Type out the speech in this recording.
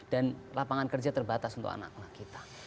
dan lapangan kerja terbatas untuk anak anak kita